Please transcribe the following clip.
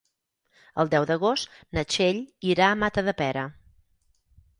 El deu d'agost na Txell irà a Matadepera.